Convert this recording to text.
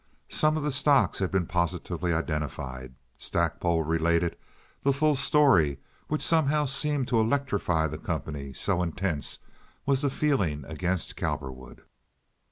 Some of the stocks had been positively identified. Stackpole related the full story, which somehow seemed to electrify the company, so intense was the feeling against Cowperwood.